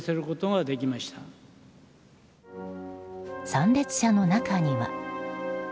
参列者の中には。